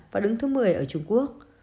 và đứng thứ một mươi ở trung quốc